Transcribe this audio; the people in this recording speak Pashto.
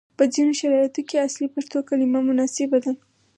په ځینو شرایطو کې اصلي پښتو کلمه مناسبه ده،